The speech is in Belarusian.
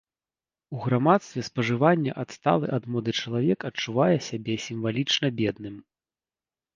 У грамадстве спажывання адсталы ад моды чалавек адчувае сябе сімвалічна бедным.